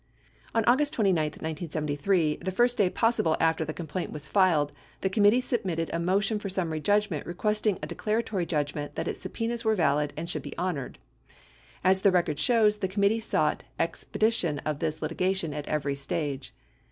On August 29, 1973, the first day possible after the complaint was filed, the committee submitted a motion for summary judgment re questing a declaratory judgment that its subpenas were valid and should be honored. (As the record shows, the committee sought expedi tion of this litigation at every stage.)